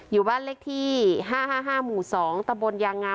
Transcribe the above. อยู่บ้านเล็กที่ห้าห้าห้าหมู่สองตะบลยางงาม